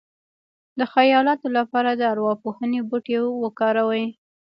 د خیالاتو لپاره د ارواپوهنې بوټي وکاروئ